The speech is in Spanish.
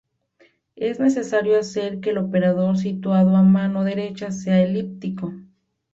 Es necesario hacer que el operador situado a mano derecha sea elíptico.